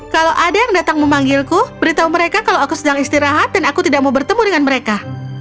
kalau ada yang datang memanggilku beritahu mereka kalau aku sedang istirahat dan aku tidak mau bertemu dengan mereka